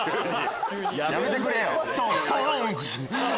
やめてくれよ！